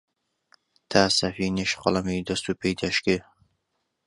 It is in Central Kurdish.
تا سەفینیش قەڵەمی دەست و پێی دەشکێ،